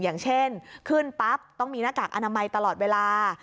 อย่างเช่นขึ้นปั๊บต้องมีหน้ากากอนามัยตลอดเวลา